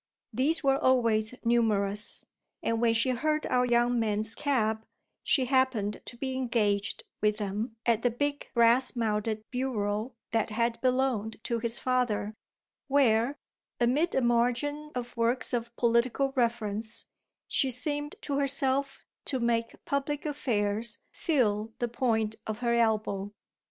These were always numerous, and when she heard our young man's cab she happened to be engaged with them at the big brass mounted bureau that had belonged to his father, where, amid a margin of works of political reference, she seemed to herself to make public affairs feel the point of her elbow.